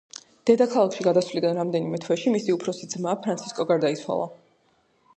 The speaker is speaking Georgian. დედაქალაქში გადასვლიდან რამდენიმე თვეში მისი უფროსი ძმა ფრანცისკო გარდაიცვალა.